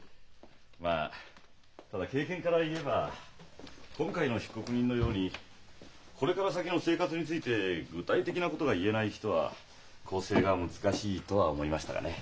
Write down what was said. まあただ経験から言えば今回の被告人のようにこれから先の生活について具体的なことが言えない人は更生が難しいとは思いましたがね。